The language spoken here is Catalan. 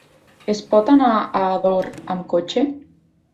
Es pot anar a Ador amb cotxe?